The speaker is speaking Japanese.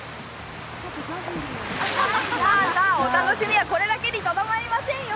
お楽しみはこれだけにとどまりませんよ。